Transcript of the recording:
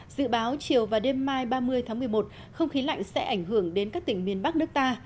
dự báo chiều và đêm mai ba mươi tháng một mươi một không khí lạnh sẽ ảnh hưởng đến các tỉnh miền bắc nước ta